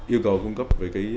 yêu cầu cung cấp